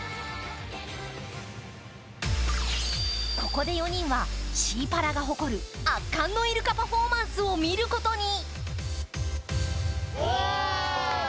ここで４人はシーパラが誇る圧巻のイルカパフォーマンスを見ることに。